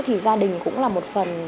thì gia đình cũng là một phần